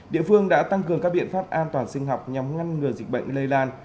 địa phương đã tăng cường các biện pháp an toàn sinh học nhằm ngăn ngừa dịch bệnh lây lan